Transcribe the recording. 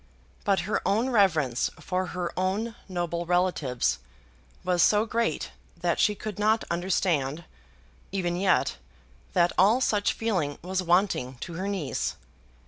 But her own reverence for her own noble relatives was so great that she could not understand, even yet, that all such feeling was wanting to her niece.